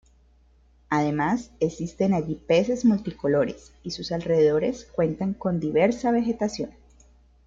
Además existen allí peces multicolores y sus alrededores cuentan con diversa vegetación.